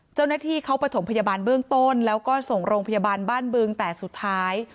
เจ้าหน้าที่เขาประถมพยาบาลเบื้องต้นแล้วก็ส่งโรงพยาบาลบ้านบึงแต่สุดท้าย